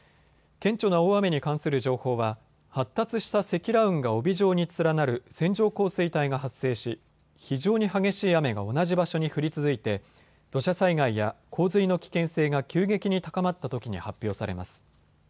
顕著な大雨に関する情報は発達した積乱雲が帯状に連なる線状降水帯が発生し非常に激しい雨が同じ場所に降り続いて土砂災害や洪水の危険性が急激に高まったときに発表されます。